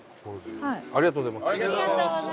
ありがとうございます。